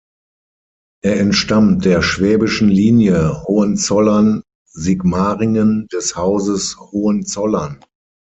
Er entstammt der schwäbischen Linie Hohenzollern-Sigmaringen des Hauses Hohenzollern.